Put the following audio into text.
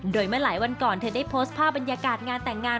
โดยเมื่อหลายวันก่อนเธอได้โพสต์ภาพบรรยากาศงานแต่งงาน